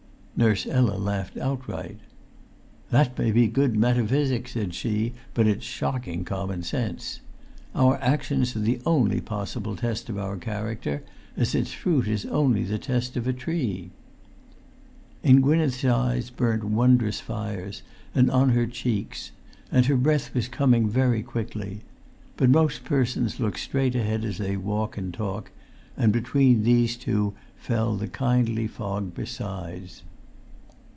Nurse Ella laughed outright. "That may be good metaphysics," said she, "but it's shocking common sense! Our actions are the only possible test of our character, as its fruit is the only test of a tree." In Gwynneth's eyes burnt wondrous fires, and on her cheeks; and her breath was coming very quickly. But most persons look straight ahead as they walk and talk, and between these two fell the kindly fog besides.